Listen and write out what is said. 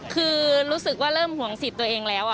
คือรู้สึกว่าเริ่มห่วงสิทธิ์ตัวเองแล้ว